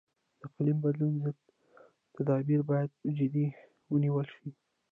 د اقلیمي بدلون ضد تدابیر باید جدي ونیول شي.